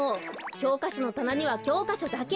きょうかしょのたなにはきょうかしょだけ。